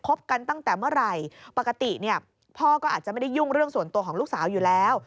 กันตั้งแต่เมื่อไหร่ปกติเนี่ยพ่อก็อาจจะไม่ได้ยุ่งเรื่องส่วนตัวของลูกสาวอยู่แล้ว